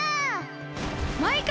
マイカ！